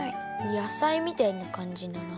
野菜みたいなかんじだな。